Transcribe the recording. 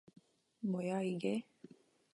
뭐야 이게?